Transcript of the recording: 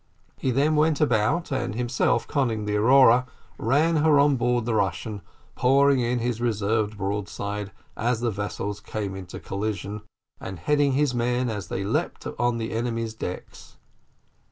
He then went about, and himself conning the Aurora, ran her on board the Russian, pouring in his reserved broadside as the vessels came into collision, and heading his men as they leaped on the enemy's decks.